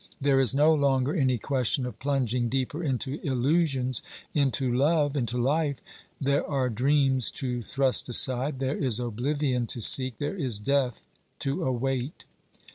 There is no longer any question of plunging deeper into illusions, into love, into life ; there are dreams to thrust aside, there is oblivion to seek, there is death to await.